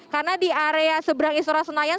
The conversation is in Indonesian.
karena di area seberang istora senayan